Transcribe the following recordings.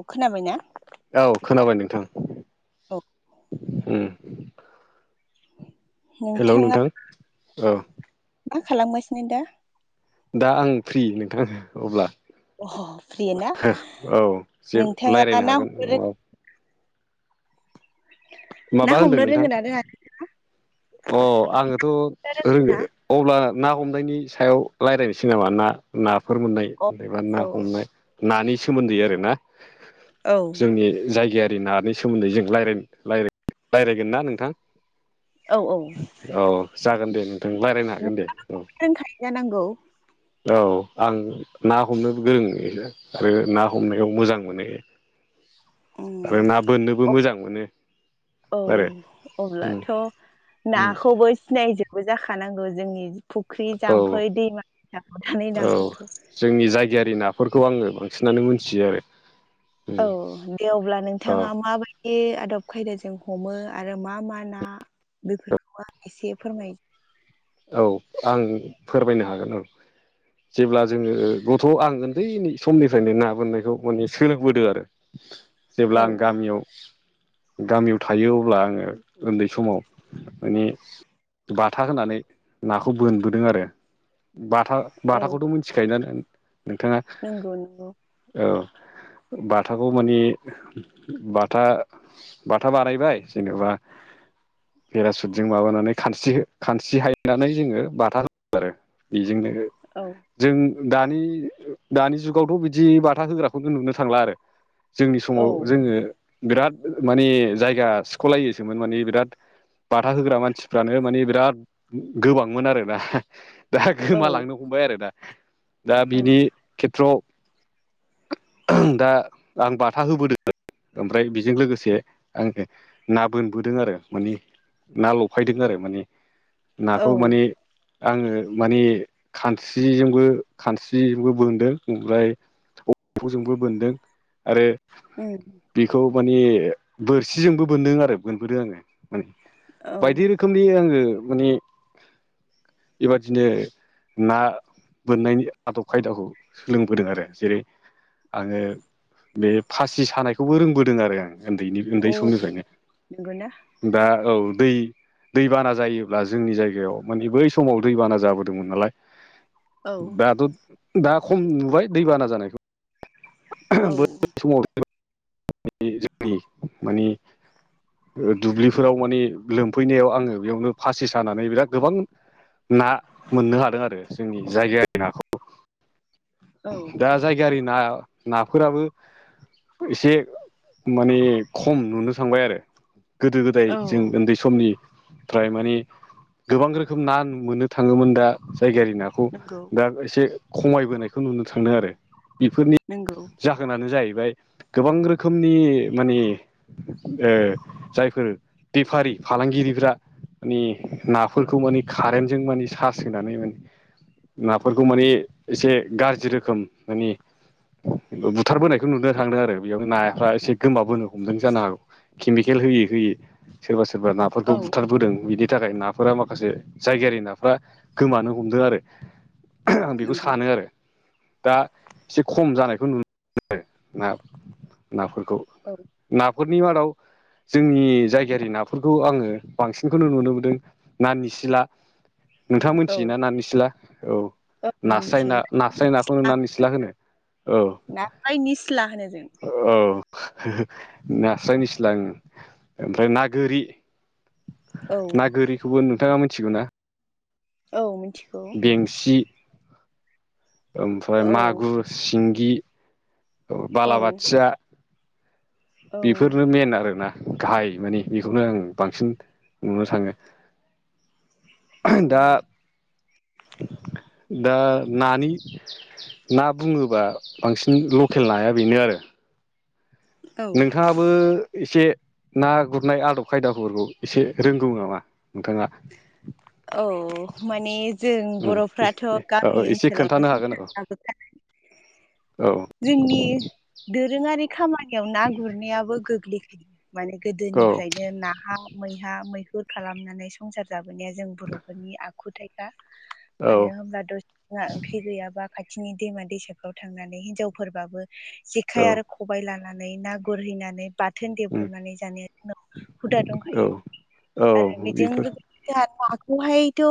औ खोनाबायनाा? औ खोनाबाय नोंथां औ उम। [inaudible] हेल' नोंथाङा नोंथां औ। मा खालामबायसिो न दा? दा आं फ्रि नोंथांनो अब्ला। अह फ्रि ना औ जे नोंथाङा रायज्लायनो ना हागोन हमनो न ना माबा होनदों हमनो नोंथां रोंगोना रोङा अ आङो थ' रोङो जोंना अब्ला ना हमनायनि सायाव रायज्लायनोसै नामा ना नाफोर मोननाय अ जबा औ ना हमनाय नानि सोमोन्दै आरोना औ जोंनि जायगायारि नानि सोमोन्दै जों र रायज्लायगोन ना नोंथां? औ औ। औ जागोन दे नोंथां रायज्लायनो नोंबो हागोन दे औ। रोंखायो जानांगौ औ आं ना हमनोबो गोरोंङनो आरो ना हमनायाव मोजां मोनो। आरो उम ना बोननोबो मोजां मोनो। औ आरो उम अब्लाथ' उम नाखौबो सिनायजोब बो जाखानांगौ जोंनि फुख्रि औ जाम्फै दैमाानै औ नाफोरखौ। जोंनि जायगायारि नाफोरखौ आङो बांसिनानो मोनथियो आरो। औ उम दे अब्ला औ नोंथाङा माबायदि आदब खायदाजों हमो आरो मा मा ना बेफोरखौ आं एसे फोरमाय औ आं फोरमायनो हागोन औ। जेब्ला जोङो गथ' आं उन्दै समनिफ्रायनो ना बोननायखौ माने सोलोंबोदों आरो। जेब्ला औ आं गामियाव गामियाव थायो अब्ला आङो उन्दै समाव माने बाथा होनानै नाखौ बोनबोदों आरो बाथा औ बाथाखौथ' मोनथिखायोोना नोंथाङा? नंगौ नंगौ औ बाथाखौ मानि बाथा बाथा बानायायबाय जेनेबा पेरासुटजों माबानानै खान खानसिहायो नानै जोङो बाथा हो आरो बेजोंनो औ जों दानि दानि जुगावथ' बिदि बाथा होग्राफोरखौ नुनो थांला आरो जोंनि औ समाव जोङो बिराद माने जायगा सख'लायोसोमोन माने बिराद बाथा होग्रा मानसिफ्रानो माने बिराद गोबांमोन आरोना दा औ गोमालांनो हमबाय आरोना दा औ बिनि खेथ्रआव दा आं बाथा होबोदों ओमफ्राय बेजों लोगोसे आङो ना बोनबोदों आरो माने ना लफायदों आरो माने औ नाखौ माने आङो माने खानस्रिजोंबो खानस्रिजोंबो बोनदों ओमफ्राय बेखौ जोंबो मोनोन्दों आरो उम बेखौ माने बोरसिजोंबो बोन्दों आरो बोनबोदों आङो माने औ बायदि रोखोमनि आङो माने [inaudible] बेबादिनो ना बोननायनि आदब खायदाखौ सोलोंबोदों आरो जेरै आङो बे फासि सानायखौबो रोंबोदों आरो आं उन्दैनि उन्दै अ समनिफ्रायनो नंगौना दा औ दै दै बाना जायोब्ला जोंनि जायगायाव माने बै समाव दैबाना जाबोदोंमोन नालाय औ दाथ' दा खम नुबाय दैबाना जानायखौ औ बै समाव जोंनि माने दुब्लिफोराव माने लोमफैनायाव आङो बेयावनो फासि सानानै बिराद गोबां ना मोननो हादों आरो जोंनि जायगायारि नाखौ औ दा जायगायारि ना नाफोराबो एसे माने खम नुनो थांबाय आरो गोदो गोदाय औ जों उन्दै समनि फाय माने गोबां रोखोम ना मोननो थाङोमोन दा जायगानि ना नंगौ दा एसे खमायबोनायखौ नुनो थांदों आरो बेफोरनि नोंगौ जाहोनानो जाहैबाय गोबां रोखोमनि माने जायफोर बेफारि फालांगिरिफ्रा मानि नाफोरखौ माने कारेन्टजों माने सार्स होनानै माने नाफोरखौ माने एसे गाज्रि रोखोम माने बुथारबोनायखौ नुनो थांदों आरो बेयावनो नाफ्रा एसे गोमाबोनो हमदों जानो हागौ केमिकेल होयै होयै सोरबा सोरबा औ नाफोरखौ बुथारबोदों बिनि थाखाय ना फोर माखासे जायगायारि नाफ्रा गोमानो हमदों आरो आं बेखौ नंगौ सानो आरो दा एसे खम जानायखौ नुबाय आरो ना नाफोरखौ औ नाफोरनि मादाव जोंनि जायगायारि नाफोरखौ आङो बांसिनखौनो नुनो मोनदों ना निसिला नोंथाङा औ मिथियोना ना निस्ला औ औ नास्राय ना नास्राय नाखौनो नार निस्ला होनो औ नायस्राय निस्ला होनो जों औ नास्रायनिस्लां ओमफ्राय ना गोरि ना औ गोरिखौबो नोंथाङा मिथिगौ ना औ मिथि बेंसि ओमफ्राय औ मागुर सिंगि औ बालाबाथिया औ बेफोरनो मेन आरोना गाहाय मानिे बेखौनो आं बांसिन नुनो थाङो दा औ दा नानि ना बुङोबा बांसिन लकेल नाया बेनो आरो नोंथाङा बो एसे ना गुरनाय आदब खायदाफोरखौ एसे रोंगौ नामा नोंथाङा औ माने जों उम बर'फ्राथ' औ गामि एसे ओनसोलावनो खोन्थानो हागोन संसार जाबोखानाय औ दोरोङारि खामानियाव ना गुरनायाबो गोग्लैखै माने औ गोदोनिफ्रायनो नाहा मैहा मैहुर खालामनानै संसार जाबोनाया जों बर'फोरनि आखुथायखा औ मानो होनब्ला द ना ओंख्रि गैयाबा खाथिनि दैमा दैसाफ्राव थांनानै हिनजावफोरबाबो औ जेखाय आरो खबाय लानानै ना गुरहैनानै ब थोन उम देब्रबनानै जानाया जोंनाव हुदा औ दंखायो औ आरो बेजों बेफोर जों नाखौहायथ'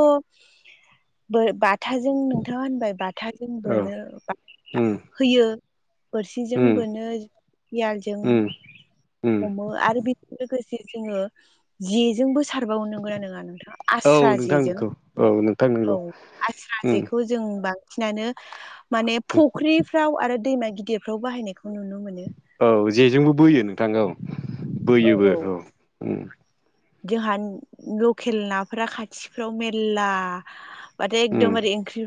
बाथाजों नोंथाङा होनबाय बाथ खोथाजों औ बोनो ब उम होयो बोरसिजों उम बोनो लजों उम उम हमो आरो बेजों लोगोसे जोङो जेजोंबो सारबावनो गोरा नङा नोंथाङा औ आस्रा नोंथां जेजों नंगौ औ नोंथां औ नंगौ आस्रा उम जेखौ जों बांसिनानो मान फुख्रि फाव आरो दैमा गिदिरफ्राव बाहायनायखौ नुनो मोनो औ जेजोंबो बोयो नोंथां औ बोयोबो औ जोंहा लकेल नाफोरा खाथिफ्राव मेरला माथो उम एकदमबार ओंख्रि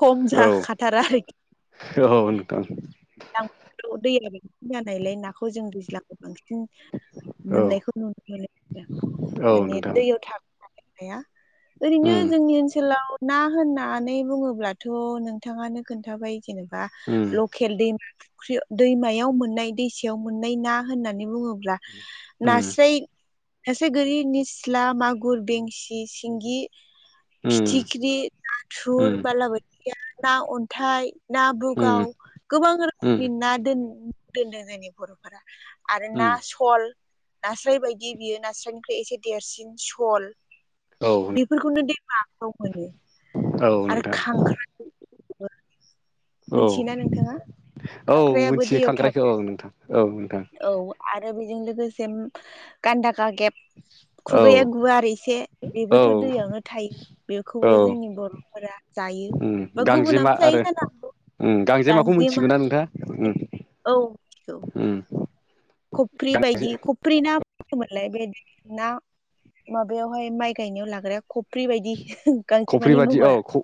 खम औ जाखाथारा आरोखि औ नोंथां लांाव दैया बांसिन जानायलाय नाखौ जों दैज्लाखौ बांसिन औ मोननायखौ नुनो मोनो आरो औ माने नोंथां दैयाव थ हाया ओरैनो उम जोंनि ओनसोलाव ना होननानै बुङोब्लाथ' नोंथाङानो खोन्थाबाय जेनेबा उम बा लकेल दैमा फुख्रि दैमायाव मोननाय दैसायाव मोननाय ना होननानै बुङोब्ला उम नास्राय सासे गोरि निस्ला मागुर बेंसि सिंगि उम फिथिख्रि नाथुर उम बालाबाथिया ना अन्थाइ ना उम बुगाव गोबां रोखोमनि उम ना दोनदों जोंनि बर'फोरा आरो ना उम सल नास्राय बायदि बियो नास्रायनिफ्राय एसे देरसिन सल औ बेफोरखौनो दैमााव मोनो औ आरो नोंथां खांख्राइ औ मिथियोना नोंथाङा औ खांख्राइाबो मिथियो दैयाव खांख्रायखौ थाग्रा औ नोंथां औ नोंथां औ आरो बेजों लोगोसे गान्दाखा गेब औ खुगाया गुवार एसे औ बेबोथ' दैयावनो थायो औ बेखौबो जोंनि बर'फोरा जायो बा गुबुनाबो जायो जानो हौ गांजे माखौ मिथिगौना नोंथाङा औ उम खुख्रि गांजे बायदि थुफ्रि ना फङोमोनलाय बे ना माबायावहाय माइ गायनायाव लाग्राया फ्रिबायदि गांसो खफ्रि मानि बादि औ महरा ख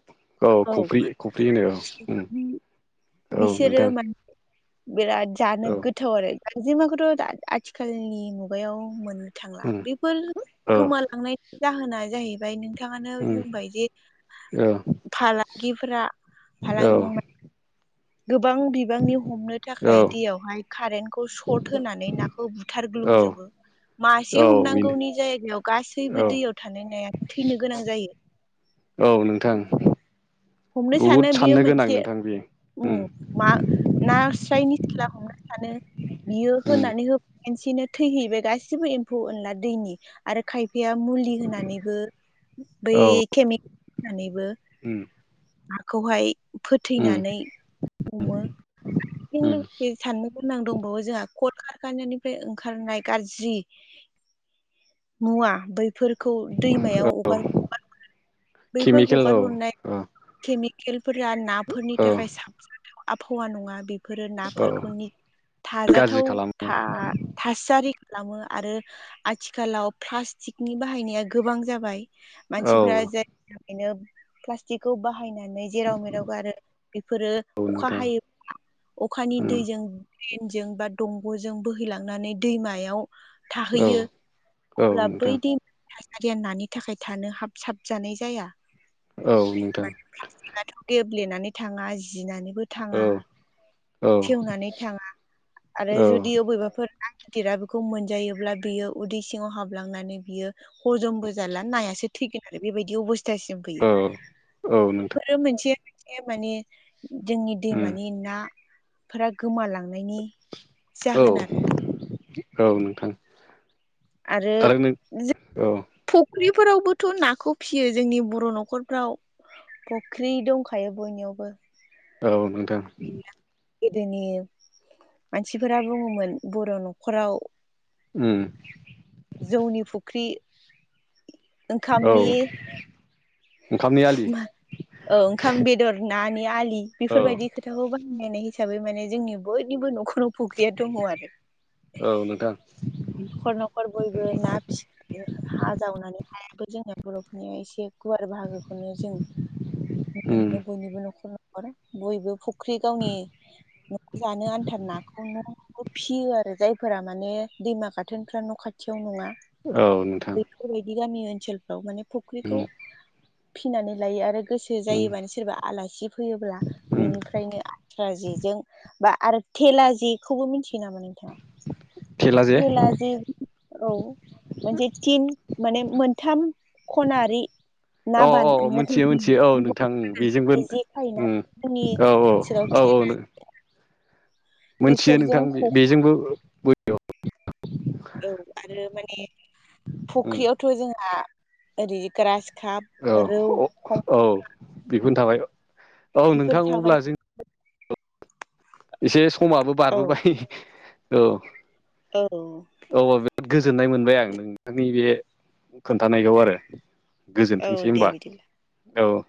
खफ्रि औ खफ्रि होनो औ उम औ बिसोरो नोंथां मान बिराद जानो औ गोथाव आरो खाराजेमाखौथ' द आथिखालनि मुगायाव मोनो थांला उम बेफोर औ गोमालांनायनि जाहोना जाहैबाय नों नोंथाङानो उम बुंबाय जे औ फालांगिफोरा फालांगि गोबां बिबांनि हमनो औ थाखाय दैयावहाय कारेन्टखौ सर्ट होनानै नाखौ बु थारग्लुंजोबो औ मासे औ बेनो हमनांगौनि जायगायाव गासैबो औ दैयाव थानाय नाया थैनो गोनां जायो। औ नोंथां। हमनो सानो बहुद बियो साननो गोनां मोनसे नोंथां बेयो ओ उम मा नास्राय निसिला हमनो सानो बियो उम होनानै हो खनसेनो थैहैबाय गासिबो एम्फौ एनला दैनि आरो खायफाया मुलि होनानैबो बै [unintelligible] होनानैबो ओम। हाखौहाय फोथैनानै हमो बेजों उम लोगोसे साननो गोनां दंबावो जोंहा खल खारखानायानिफ्राय ओंखारनाय गाज्रि मुवा बैफोरखौ दैमायाव हगार [unintelligible] बैफोर केमिकेल औ हगार हरनाय औ केमिकेलफोरा नाफोरनि औ थाखाय [unintelligible] आबहावा नङा बे फोरो औ नाफोरखौनि गाज्रि थाजाथाव खालामो था थासारि खालामो आरो आथिखालाव प्लास्टिकनि बाहायनाया गोबां जाबाय। औ मानसिफ्रा [unintelligible] प्लास्टिकखौ बाहायनानै जेराव मेराव गारो बेफोरो औ अखा नोंथां हायोब्ला अखानि उम दैजों द्रेनजों बा दंग'जों बोहैलांनानै दैमायाव औ थाहैयो औ अब्ला नोंथां बै दै थासारिया नानि थाखाय थानो हाब साब जानाय जाया। औ नोंथां। [unintelligible] गेब्लेनानै थाङा जिनानैबो औ थाङा औ सेवनानै थाङा आरो औ जुदि [unintelligible] [unintelligible] बेखौ मोनजायोब्ला बियो उदै सिङाव हाबलांनानै बियो हजमबो जाला नायासो थैगोन आरो बेबायदि अबस औ औ नोंथां। आरो मोनसे मोनसे माने जोंनि उम दैमानि ना फोरा गोमालांनायनि औ जाहोन आरो औ नोंथां। आरो औ [unintelligible] फुख्रिफोरावबोथ' नाखौ फियो जोंनि बर' न'खरफ्राव। फुख्रि दंखायो बयनियावबो। औ नोंथां। [unintelligible] गोदोनि मानसिफोरा बुङोमोन बर' न'खराव उम। जौनि फुख्रि औ ओंखामनि ओंखामनि आलि [unintelligible] औ ओंखाम बेदर नानि आलि औ बेफोरबायदि खो थाखौ बायहायनायनाय हिसाबै माने जोंनि बयनिबो न'खराव फुख्रिया दङ आरो औ नोंथां नखर न'खर बयबो ना फिसि हा जावनानै हायाबो जोंनि बर'फोरनियाव एसे गुवार बाहागोखौ माने जों उम [unintelligible] बयबो फुख्रि गावनि [unintelligible] जानो आन्था नाखौनो फिसियो आरो जायफोरा माने दैमा गाथोन फ्रा न' खाथियाव नङा। औ नोंथां। बेफोरबायदि गामि ओनसोलफ्राव माने उम फुख्रिखौ फिनानै लायो आरो गोसो गोसो उम जायोबानो सोरबा आलासि फैयोब्ला उम बेनिफ्रायनो आथ्रा जेजों बा आरो थेला जेखौबो मिथियो नामा नोंथाङा? थेला जे? औ मोनसे थिन माने मोनथाम खनारि। अ ना बान मोनथियो मोनथियो औ नोंथां बेजोंबो [unintelligible] थायोना उम जोंनि औ ओनसोलाव औ औ मोनथियो नोंथां बेफोरजों ह बेजोंबो बो औ आरो माने फुख्रियावथ' जोंहा ओरै ग्रास काप औ रौ खम अ औ बेफोरनो थाबाय औ बेफोर नोंथां थाबाय अब्ला जों एसे समाबो औ बारबोबाय औ। औ। औ औ बिराद गोजोननाय मोनबाय आं नोंथांनि बे खोन्थानायखौ आरो। औ गोजोनथोंसै दे होनबा बिदिब्ला औ।